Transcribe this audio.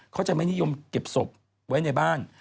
เขาจะไม่นิยมเก็บศพไว้ในบ้าน